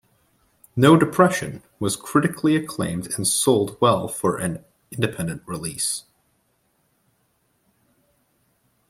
"No Depression" was critically acclaimed and sold well for an independent release.